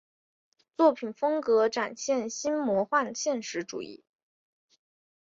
作品风格展现新魔幻现实主义。